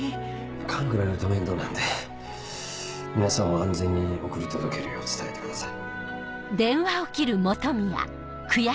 勘繰られると面倒なんで皆さんを安全に送り届けるよう伝えてください。